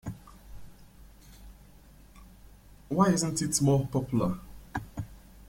Why isn't it more popular?